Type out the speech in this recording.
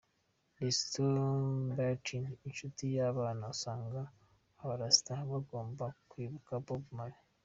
Rasta Bertin inshuti y’abana asanga Abarasta bagomba kwibuka Bob Marley.